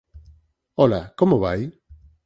Ola, como vai?